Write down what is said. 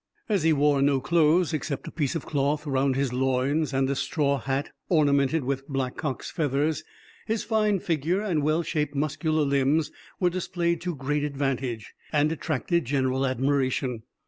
As he wore no clothes, except a piece of cloth round his loins, and a straw hat ornamented with black cock's feathers, his fine figure and well shaped muscular limbs were displayed to great advantage, and attracted general admiration.